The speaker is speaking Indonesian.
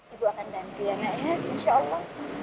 ibu akan dantianak ya insya allah